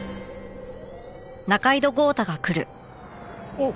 おっ！